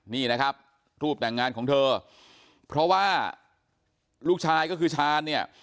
นี่นะครับรูปแต่งงานของเธอเพราะว่าลูกชายก็คือชาญเนี่ย